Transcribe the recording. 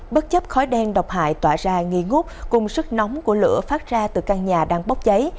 bất chấp khói đen độc hại tỏa ra nghi ngút cùng sức nóng của lửa phát ra từ căn nhà đang bốc cháy